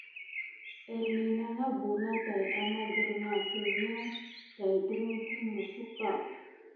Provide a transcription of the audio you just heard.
Ernénè na buna täki amà grirmà sem.yà saki depumosok kà.